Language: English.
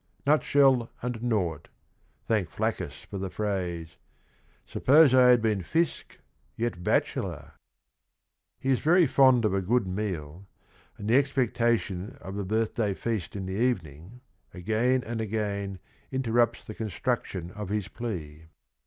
Nutshell and naught, — thank Flaccus for the phrase I Suppose I had been Fisc, yet bachelor I " He is very fond of a good meal, and the expecta tion of the birthday feast in the evening again and again interrupts the construction of his plea.